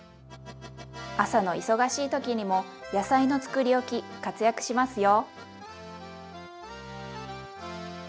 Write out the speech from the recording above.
朝の忙しい時にも野菜のつくりおき活躍しますよ。